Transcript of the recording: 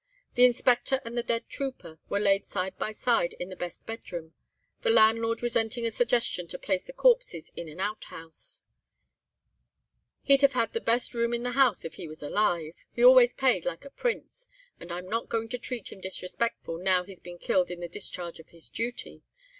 The Inspector and the dead trooper were laid side by side in the best bedroom, the landlord resenting a suggestion to place the corpses in an outhouse—'He'd have had the best room in the house if he was alive. He always paid like a prince, and I'm not going to treat him disrespectful now he's been killed in the discharge of his duty.